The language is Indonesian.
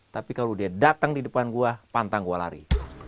tapi kalau dia datang di depan gua pantang gua lari